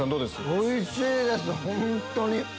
おいしいです本当に。